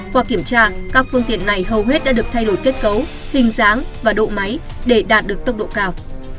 qua kiểm tra các phương tiện này hầu hết đã được thay đổi kết cấu hình dáng và độ máy để đạt được tốc độ cao